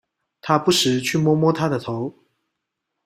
他不時去摸摸她的頭